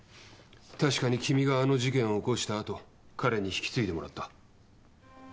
確かに君があの事件を起こしたあと彼に引き継いでもらった。